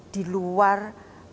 di luar indonesia